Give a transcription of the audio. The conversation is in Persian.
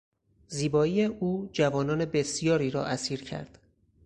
زیبایی او جوانان بسیاری را اسیر کرد.